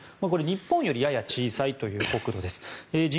日本よりやや小さいという国土です。